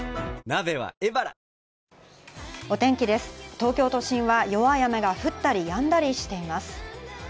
東京都心は弱い雨が降ったりやんだりしています。